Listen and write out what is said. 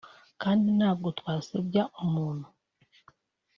kandi ntabwo twasebya umuntu